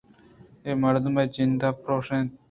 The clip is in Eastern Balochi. اے مردم ءِ جند ءَ پرٛوش اَنت